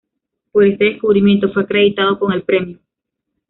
Por este descubrimiento fue acreditado con el premio.